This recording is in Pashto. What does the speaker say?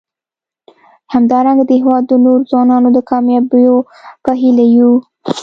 همدارنګه د هیواد د نورو ځوانانو د کامیابیو په هیله یو.